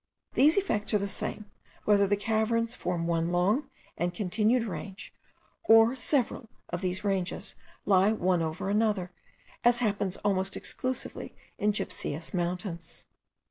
These effects are the same, whether the caverns form one long and continued range, or several of these ranges lie one over another, as happens almost exclusively in gypseous mountains.